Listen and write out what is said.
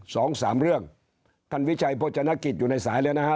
สองสามเรื่องท่านวิชัยโภชนกิจอยู่ในสายแล้วนะฮะ